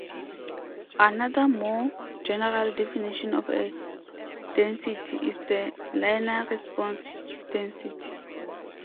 Another more-general definition of a density is the "linear-response density".